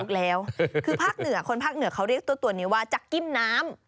แล้วคือภาคเหนือคนภาคเหนือเขาเรียกตัวนี้ว่าจักกิ้มน้ำ